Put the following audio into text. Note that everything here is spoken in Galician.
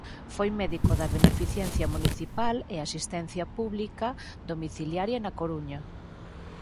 Foi médico da Beneficencia Municipal e Asistencia Pública Domiciliaria na Coruña.